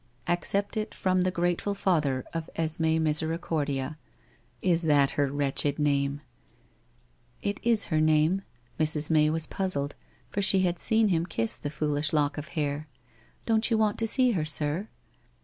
Accept it from the grate ful father of Esme Misericordia — is that her wretched name ?'' It is her name.' Mr8 May was puzzled, for she had seen him kiss the foolish lock of hair. * Don't you want to see her, sir